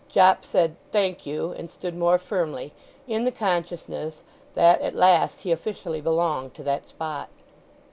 Jopp said, "Thank you," and stood more firmly, in the consciousness that at last he officially belonged to that spot.